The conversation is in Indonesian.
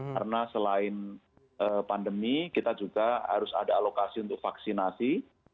karena selain pandemi kita juga harus ada alokasi untuk vaksinasi